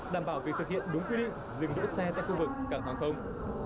đảm bảo việc thực hiện đúng quy định dừng đỗ xe tại khu vực cảng hàng không